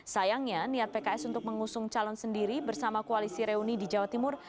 sayangnya niat pks untuk mengusung calon sendiri bersama koalisi reuni di jawa timur